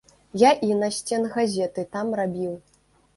Я і насценгазеты там рабіў.